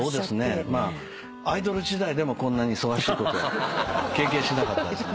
アイドル時代でもこんなに忙しいことは経験しなかったですね。